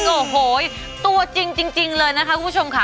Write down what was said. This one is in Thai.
โอ้โหตัวจริงเลยนะคะคุณผู้ชมค่ะ